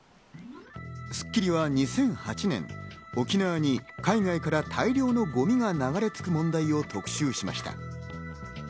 『スッキリ』は２００８年、沖縄に海外から大量のゴミが流れ着く問題を特集しました。